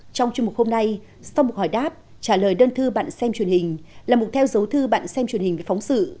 trong chương mục hôm nay sau một hỏi đáp trả lời đơn thư bạn xem truyền hình là mục theo dấu thư bạn xem truyền hình với phóng sự